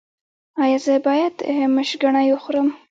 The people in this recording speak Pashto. ایا زه باید مشګڼې وخورم؟